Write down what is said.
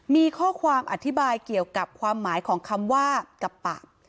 มีข้อความอธิบายเกี่ยวกับความหมายของคำว่ากับปาก